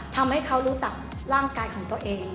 ทำให้เขารู้จักร่างกายของตัวเอง